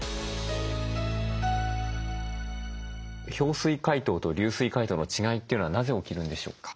氷水解凍と流水解凍の違いというのはなぜ起きるんでしょうか？